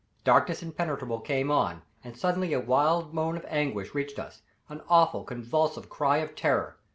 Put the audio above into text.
Darkness impenetrable came on, and suddenly a wild moan of anguish reached us an awful, convulsive cry of terror.